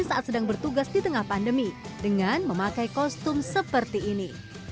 saat sedang bertugas di tengah pandemi dengan memakai kostum seperti ini